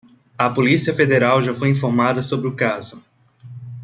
A polícia federal já foi informada sobre o caso